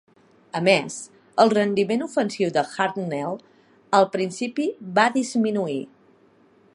A més, el rendiment ofensiu de Hartnell al principi va disminuir.